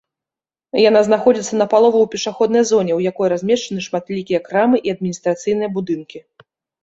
Яна знаходзіцца напалову ў пешаходнай зоне, у якой размешчаны шматлікія крамы і адміністрацыйныя будынкі.